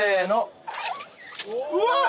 ・うわっ！